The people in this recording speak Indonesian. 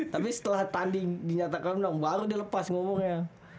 tapi setelah tanding dinyatakan baru dia lepas ngomongnya